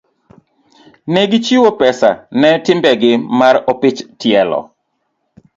Ne gichiwo pesa ne timbegi mar opich tielo.